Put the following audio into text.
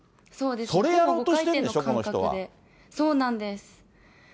そうなんです。